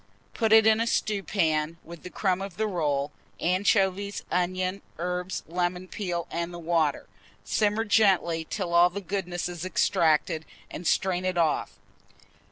Put it in a stewpan, with the crumb of the roll, anchovies, onions, herbs, lemon peel, and the water; simmer gently till all the goodness is extracted, and strain it off.